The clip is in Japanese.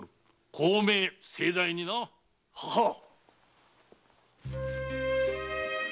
公明正大にな。ははっ。